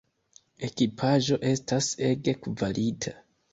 Ekipaĵo estas ege kvalita.